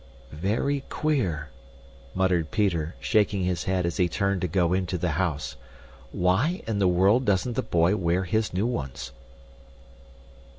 "Very queer," muttered Peter, shaking his head as he turned to go into the house. "Why in the world doesn't the boy wear his new ones?"